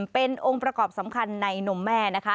เป็นองค์ประกอบสำคัญในนมแม่นะคะ